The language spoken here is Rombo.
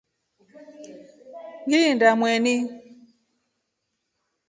Ngeenda Mweni.